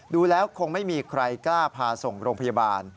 ดูแล้วคงไม่มีใครกล้าพาส่งโรงพยาบาล